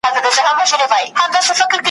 خو هغه د همدغو ,